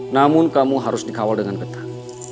namun kamu harus dikawal dengan ketat